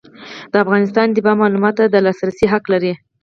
د افغانستان اتباع معلوماتو ته د لاسرسي حق لري.